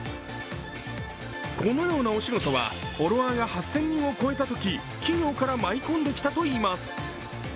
このようなお仕事はフォロワーが８０００人を超えたとき企業から舞い込んできたといいます。